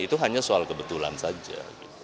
itu hanya soal kebetulan saja